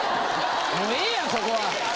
もうええやんそこは。